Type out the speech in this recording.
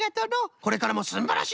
これからもすんばらしい